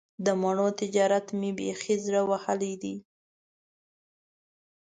د مڼو تجارت مې بیخي زړه وهلی دی.